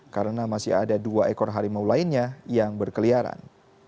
karena masih ada dua ekor harimau lainnya yang berkeliaran